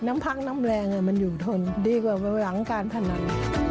น้ำพักน้ำแรงมันอยู่ทนดีกว่าหลังการพนัน